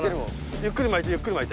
ゆっくり巻いてゆっくり巻いて。